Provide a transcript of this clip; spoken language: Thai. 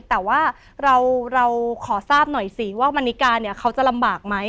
แต่ว่าเราขอทราบหน่อยสิว่ามันนิกาเนี่ยเขาจะลำบากไหม